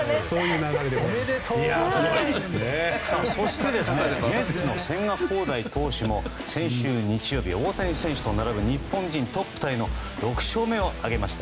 そして、メッツの千賀滉大投手も先週日曜日大谷翔平選手と並ぶ日本人トップタイに並ぶ６勝目を挙げました。